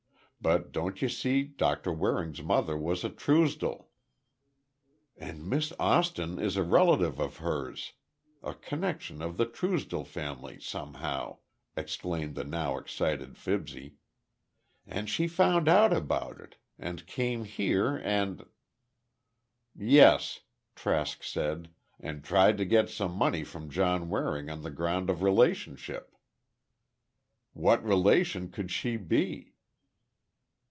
But, don't you see, Doctor Waring's mother was a Truesdell—" "And Miss Austin is a relative of hers—a connection of the Truesdell family somehow—" exclaimed the now excited Fibsy, "and she found out about it, and came here and—" "Yes," Trask said, "and tried to get some money from John Waring on the ground of relationship." "What relation could she be?"